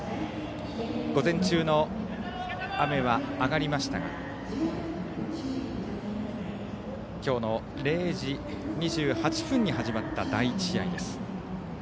午前中の雨は上がりましたが今日の０時２８分に始まった第１試合です。